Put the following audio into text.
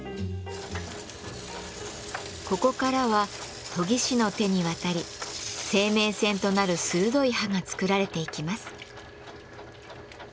ここからは研ぎ師の手に渡り生命線となる鋭い刃が作られていきます。